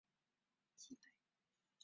建安十九年为曹操击败。